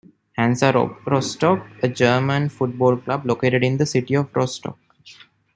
Hansa Rostock, a German football club, located in the city of Rostock.